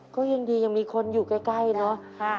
ก็ยังดียังมีคนอยู่ใกล้เนอะ